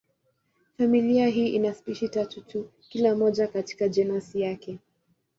Familia hii ina spishi tatu tu, kila moja katika jenasi yake.